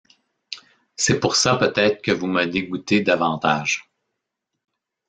C’est pour ça peut-être que vous me dégoûtez davantage...